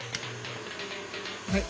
はい。